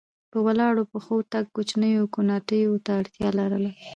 په ولاړو پښو تګ کوچنیو کوناټیو ته اړتیا لرله.